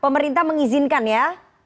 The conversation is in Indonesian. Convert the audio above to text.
pemerintah mengizinkan ya